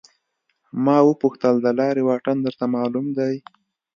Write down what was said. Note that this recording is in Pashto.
ما وپوښتل د لارې واټن درته معلوم دی.